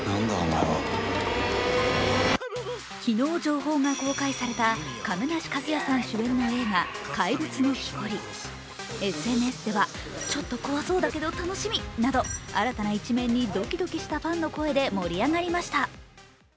昨日、情報が公開された亀梨和也さん主演の映画「怪物の木こり」。ＳＮＳでは新たな一面にドキドキしたファンの声で盛り上がりました。